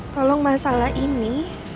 tolong masalah ini